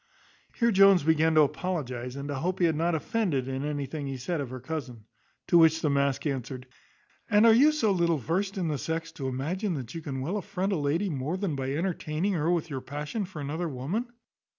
Here Jones began to apologize, and to hope he had not offended in anything he had said of her cousin. To which the mask answered, "And are you so little versed in the sex, to imagine you can well affront a lady more than by entertaining her with your passion for another woman?